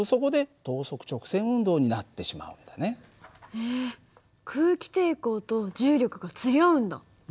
へえ空気抵抗と重力が釣り合うんだ。